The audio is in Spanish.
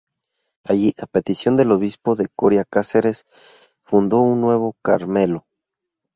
Allí, a petición del obispo de Coria-Cáceres, fundó un nuevo Carmelo.